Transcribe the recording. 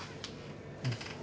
うん。